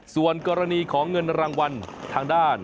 ส่วนกรณีของเงินรางวัลทางด้าน